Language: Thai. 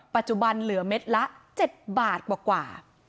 ปัจจุบันเหลือเม็ดละ๗บาทกว่า